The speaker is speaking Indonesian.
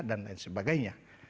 dan lain sebagainya